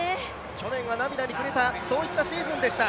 去年は涙に暮れた、そういったシーズンでした。